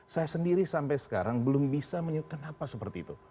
saya sendiri sampai sekarang belum bisa menyebut kenapa seperti itu